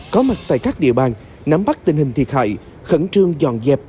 có mặt tại các địa bàn nắm bắt tình hình thiệt hại khẩn trương dọn dẹp